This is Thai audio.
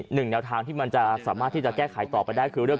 แนวทางที่มันจะสามารถที่จะแก้ไขต่อไปได้คือเรื่อง